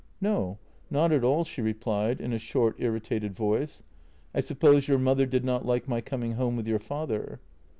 "" No, not at all," she replied, in a short, irritated voice. " I suppose your mother did not like my coming home with your father."